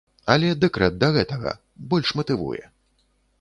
Але дэкрэт да гэтага, больш матывуе.